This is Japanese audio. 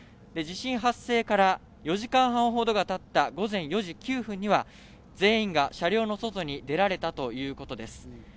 地震発生から４時間半ほどが経った午前４時９分には全員が車両の外に出られたということです。